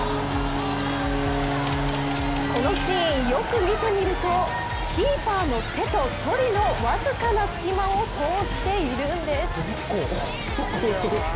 このシーン、よく見てみるとキーパーの手とそりの僅かな隙間を通しているんです。